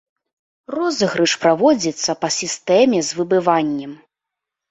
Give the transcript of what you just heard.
Розыгрыш праводзіцца па сістэме з выбываннем.